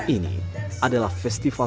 ini adalah festival